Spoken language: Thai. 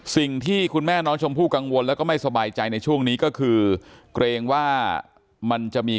สิ่งที่คุณแม่น้องชมพู่กังวลแล้วก็ไม่สบายใจในช่วงนี้ก็คือเกรงว่ามันจะมี